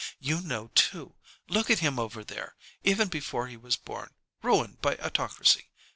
You know, too. Look at him over there, even before he was born, ruined by autocracy!